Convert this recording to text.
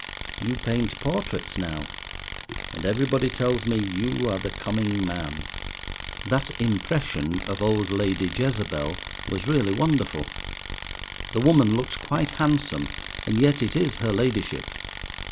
You paint portraits now, and everybody tells me you are the coming man. That "Impression" of old Lady Jezebel was really wonderful. The woman looks quite handsome, and yet it is her ladyship.